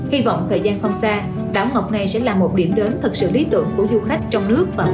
hy vọng thời gian không xa đảo ngọc này sẽ là một điểm đến thật sự lý tưởng của du khách trong nước và quốc tế